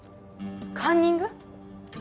カンニング？